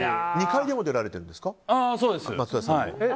２回目も出られてるんですよね。